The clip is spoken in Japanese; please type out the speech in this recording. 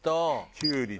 キュウリと。